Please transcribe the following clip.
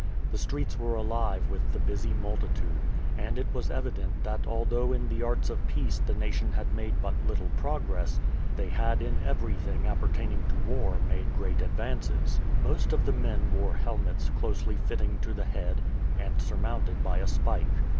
The streets were alive with the busy multitude; and it was evident that although in the arts of peace the nation had made but little progress, they had in every thing appertaining to war made great advances. Most of the men wore helmets closely fitting to the head and surmounted by a spike.